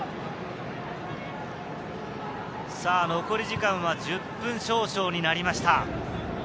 残り時間は１０分少々になりました。